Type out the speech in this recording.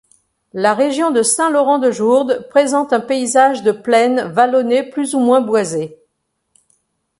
La région de saint-Laurent-de-Jourdes présente un paysage de plaines vallonnées plus ou moins boisées.